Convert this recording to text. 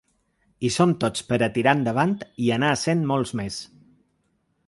Hi som tots per a tirar endavant i anar essent molts més.